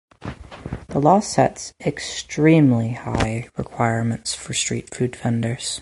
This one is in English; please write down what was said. The law sets extremely high requirements for street food vendors.